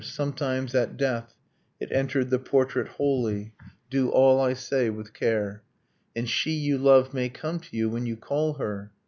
. Sometimes, at death, it entered the portrait wholly .. Do all I say with care, And she you love may come to you when you call her